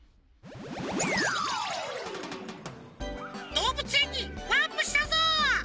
どうぶつえんにワープしたぞ！